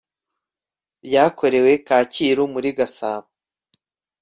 byakorewe kacyiru muri gasabo